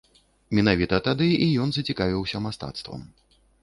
Менавіта тады і ён зацікавіўся мастацтвам.